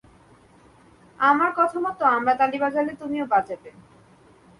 আমার কথামত, আমরা তালি বাজালে তুমিও বাজাবে।